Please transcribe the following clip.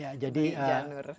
ya jadi dibilang adalah